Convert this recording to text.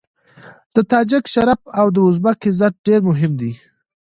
د تاجک شرف او د ازبک عزت ډېر مهم دی.